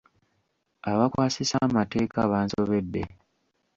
Abakwasisa emateeka bansobedde.